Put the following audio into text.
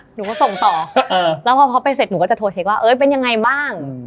หนูก็ส่งต่อแล้วพอเขาไปเสร็จหนูก็จะโทรเช็คว่าเอ้ยเป็นยังไงบ้าง